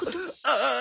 ああ！